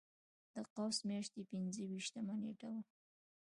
د قوس میاشتې پنځه ویشتمه نېټه وه.